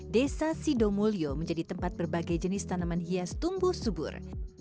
desa sidomulyo menjadi tempat berbagai jenis tanaman hias tumbuh subur